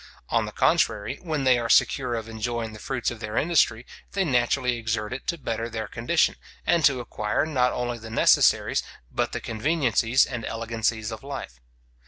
On the contrary, when they are secure of enjoying the fruits of their industry, they naturally exert it to better their condition, and to acquire not only the necessaries, but the conveniencies and elegancies of life.